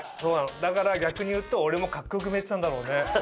だから逆に言うと俺もカッコ良く見えてたんだろうね